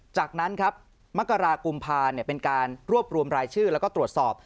จากนั้นมกรกุมภาคมเป็นการรวบรวมรายชื่อและตรวจสอบ